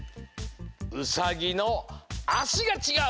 ウサギのあしがちがう！